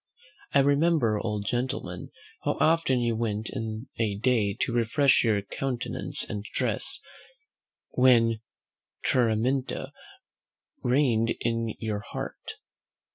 I remember, old gentleman, how often you went home in a day to refresh your countenance and dress, when Teraminta reigned in your heart.